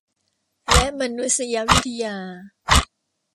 และมานุษยวิทยา